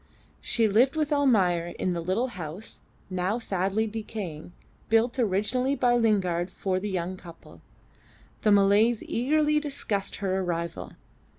She lived with Almayer in the little house (now sadly decaying) built originally by Lingard for the young couple. The Malays eagerly discussed her arrival.